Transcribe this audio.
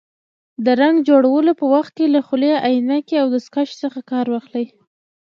د رنګ جوړولو په وخت کې له خولۍ، عینکې او دستکشو څخه کار واخلئ.